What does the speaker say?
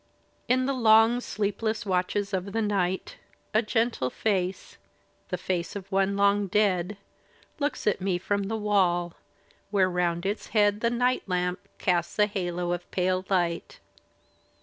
In the long, sleepless watches of the night, A gentle face — the face of one long dead — Looks at me from the wall, where round its head The night lamp casts a halo of pale light.